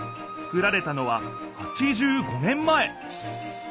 つくられたのは８５年前。